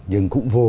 nhưng cũng vô